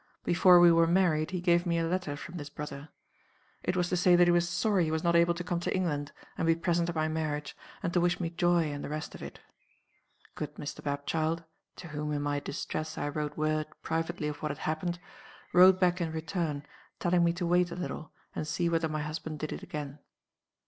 Before we were married he gave me a letter from this brother. It was to say that he was sorry he was not able to come to England, and be present at my marriage, and to wish me joy and the rest of it. Good Mr. Bapchild (to whom, in my distress, I wrote word privately of what had happened) wrote back in return, telling me to wait a little, and see whether my husband did it again.